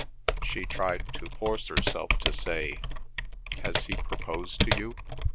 She tried to force herself to say, "Has he proposed to you?"